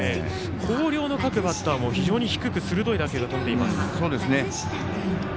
広陵の各バッターも低く鋭い打球が飛んでいます。